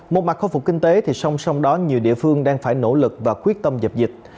một mặt khôi phục kinh tế thì song song đó nhiều địa phương đang phải nỗ lực và quyết tâm dập dịch